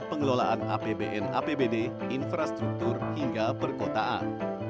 pengelolaan apbn apbd infrastruktur hingga perkotaan